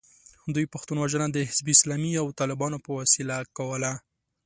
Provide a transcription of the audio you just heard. دوی پښتون وژنه د حزب اسلامي او طالبانو په وسیله کوله.